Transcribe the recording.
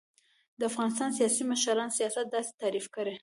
و : د افغانستان سیاسی مشران سیاست داسی تعریف کړی